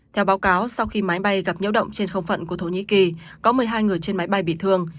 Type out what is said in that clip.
theo báo cáo sau khi máy bay gặp nhễu động trên không phận của thổ nhĩ kỳ có một mươi hai người trên máy bay bị thương